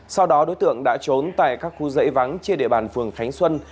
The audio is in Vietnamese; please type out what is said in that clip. sau đó đối tượng đã trốn tại các khu dãy vắng trên địa bàn phường khánh xuân